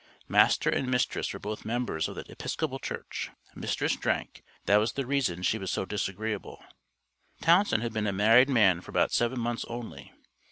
Master and mistress were both members of the Episcopal Church. "Mistress drank, that was the reason she was so disagreeable." Townsend had been a married man for about seven months only.